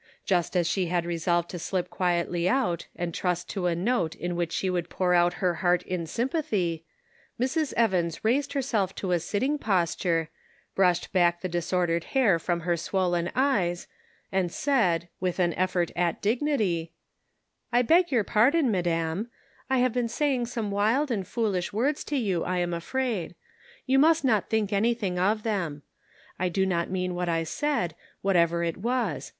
Just as she had resolved to An Open Door. 297 slip quietly out and trust to a note in which she would pour oat her heart in sympathy, Mrs. Evans raised herself to a sitting posture, brushed back the disordered hair from her swollen eyes, and said, with an effort at dig nity: " I beg your pardon, madam ; I have been saying some wild and foolish words to you, I am afraid ; you must not think anything of them ; I do not mean what I said, whatever it was.